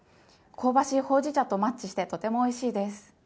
香ばしいほうじ茶とマッチしてとてもおいしいです。